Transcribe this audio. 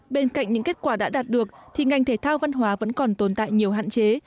bên cạnh những kết quả đã đạt được thì ngành thể thao văn hóa vẫn còn tồn tại nhiều hạn chế